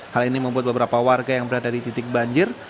hal ini membuat beberapa warga yang berada di titik banjir